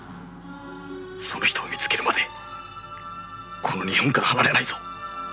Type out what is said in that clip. その人を見つけるまでこの日本から離れないぞ。